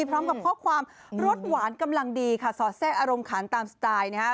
พร้อมกับข้อความรสหวานกำลังดีค่ะสอดแทรกอารมณ์ขันตามสไตล์นะฮะ